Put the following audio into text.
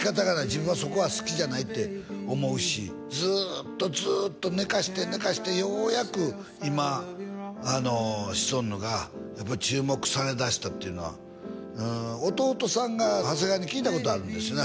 自分はそこは好きじゃないって思うしずっとずっと寝かして寝かしてようやく今シソンヌが注目されだしたっていうのは弟さんが長谷川に聞いたことあるんですね